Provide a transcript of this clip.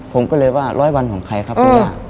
ผมก็เลยว่าร้อยวันของใครครับคุณย่า